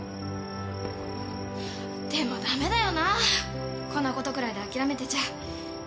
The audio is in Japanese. でも駄目だよなこんなことくらいで諦めてちゃ。